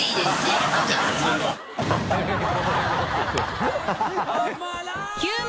ハハハ